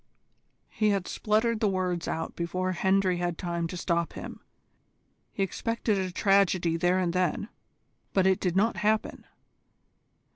He had spluttered the words out before Hendry had time to stop him. He expected a tragedy there and then, but it did not happen.